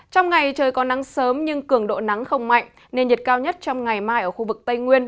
trong ngày trời có nắng sớm nhưng cường độ nắng không mạnh nên nhiệt cao nhất trong ngày mai ở khu vực tây nguyên